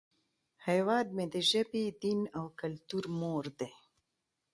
هیواد مې د ژبې، دین، او کلتور مور دی